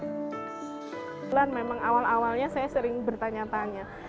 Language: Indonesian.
kebetulan memang awal awalnya saya sering bertanya tanya